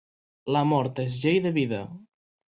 La mort és llei de vida.